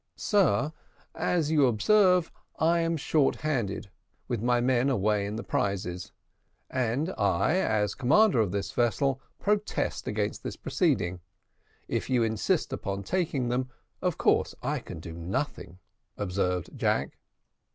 "Sir, as you must observe, I am short handed, with my men away in prizes; and I, as commander of this vessel, protest against this proceeding: if you insist upon taking them, of course I can do nothing," observed Jack.